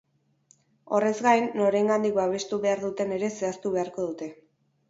Horrez gain, norengandik babestu behar duten ere zehaztu beharko dute.